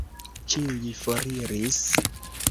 Ĉiuj foriris.